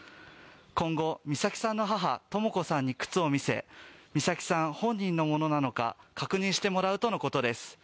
今後、美咲さんの母・とも子さんに靴を見せ美咲さん本人のものなのか確認してもらうということです。